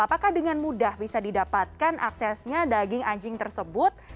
apakah dengan mudah bisa didapatkan aksesnya daging anjing tersebut